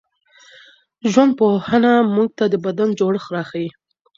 ژوندپوهنه موږ ته د بدن جوړښت راښيي.